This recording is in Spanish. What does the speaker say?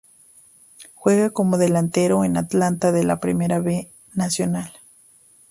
Juega como delantero en Atlanta de la Primera B Nacional.